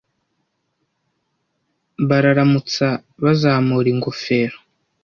Bararamutsa bazamura ingofero.